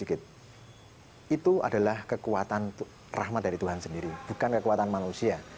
itu adalah kekuatan rahmat dari tuhan sendiri bukan kekuatan manusia